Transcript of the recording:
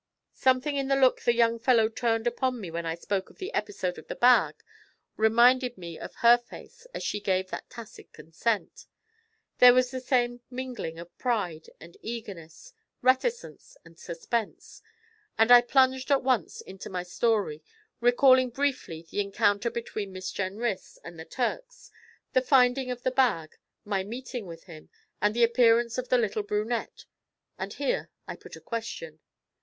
Something in the look the young fellow turned upon me when I spoke of the episode of the bag reminded me of her face as she gave that tacit consent; there was the same mingling of pride and eagerness, reticence and suspense, and I plunged at once into my story, recalling briefly the encounter between Miss Jenrys and the Turks, the finding of the bag, my meeting with him, and the appearance of the little brunette, and here I put a question.